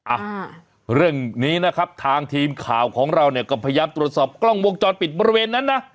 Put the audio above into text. อ่าเรื่องนี้นะครับทางทีมข่าวของเราเนี่ยก็พยายามตรวจสอบกล้องวงจรปิดบริเวณนั้นนะ